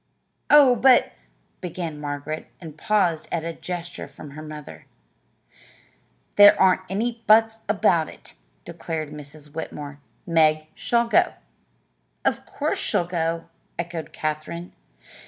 "Oh, but " began Margaret, and paused at a gesture from her mother. "There aren't any 'buts' about it," declared Mrs. Whitmore. "Meg shall go." "Of course she'll go!" echoed Katherine.